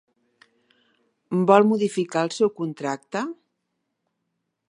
Vol modificar el seu contracte?